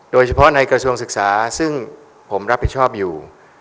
โดยเฉพาะในกระทรวงศึกษาซึ่งผมรับผิดชอบอยู่